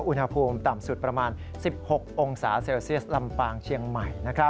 อุณหภูมิต่ำสุดประมาณ๑๖องศาเซลเซียสลำปางเชียงใหม่